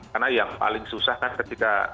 karena yang paling susah kan ketika